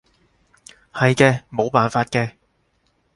係嘅，冇辦法嘅